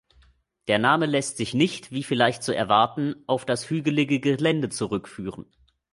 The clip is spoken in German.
Der Name lässt sich nicht, wie vielleicht zu erwarten, auf das hügelige Gelände zurückführen.